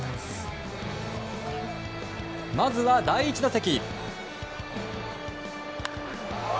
まずは第１打席。